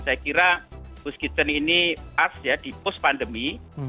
saya kira hoos kitten ini pas ya di post pandemi